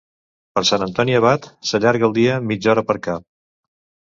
Per Sant Antoni Abat, s'allarga el dia mitja hora per cap.